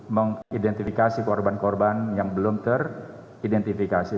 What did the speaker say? mengidentifikasi korban korban yang belum teridentifikasi